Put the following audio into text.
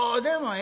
「え？」。